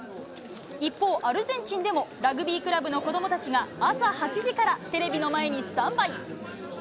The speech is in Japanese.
一方、アルゼンチンでも、ラグビークラブの子どもたちが、朝８時からテレビの前にスタンバイ。